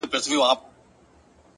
زما د زړه کوتره،